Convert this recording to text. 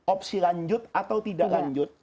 opsi lanjut atau tidak lanjut